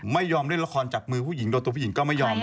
ไม่ยอมเล่นละครจับมือผู้หญิงโดยตัวผู้หญิงก็ไม่ยอม